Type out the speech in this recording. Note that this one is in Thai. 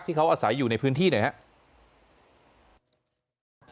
ที่เขาอาศัยอยู่ในพื้นที่ไหนครับ